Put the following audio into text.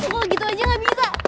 oh gitu aja gak bisa